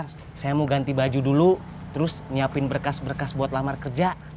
saya mau ganti baju dulu terus nyiapin berkas berkas buat lamar kerja